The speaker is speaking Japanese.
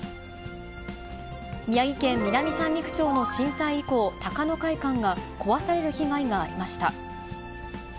宮城県南三陸町の震災遺構、高野会館が壊される被害がありました。